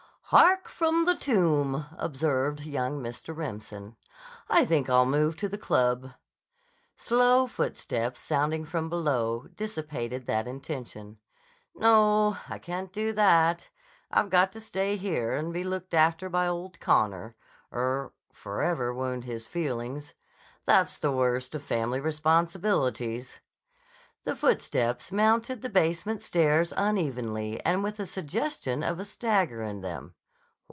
"Hark from the tomb!" observed young Mr. Remsen. "I think I'll move to the club." Slow footsteps, sounding from below, dissipated that intention. "No; I can't do that. I've got to stay here and be looked after by old Connor, or forever wound his feelings. That's the worst of family responsibilities." The footsteps mounted the basement stairs unevenly and with a suggestion of a stagger in them.